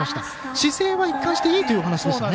姿勢は一貫していいというお話でしたね。